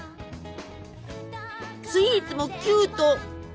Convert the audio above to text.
スイーツもキュート！